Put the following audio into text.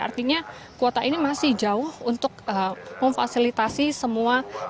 artinya kuota ini masih jauh untuk memfasilitasi semua